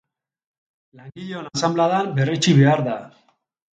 Langileon asanbladan berretsi behar da.